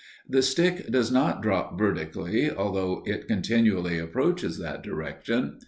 The stick does not drop vertically, although it continually approaches that direction.